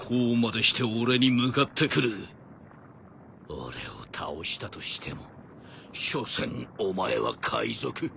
俺を倒したとしてもしょせんお前は海賊。